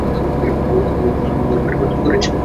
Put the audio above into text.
ও নম্বরগুলো পরিবর্তন করেছে।